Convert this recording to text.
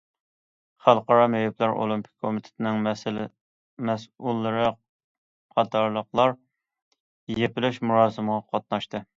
خەلقئارا مېيىپلەر ئولىمپىك كومىتېتىنىڭ مەسئۇللىرى قاتارلىقلار يېپىلىش مۇراسىمىغا قاتناشتى.